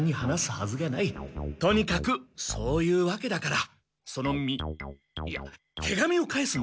とにかくそういうわけだからその密いや手紙を返すんだ。